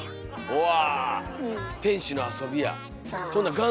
うわ。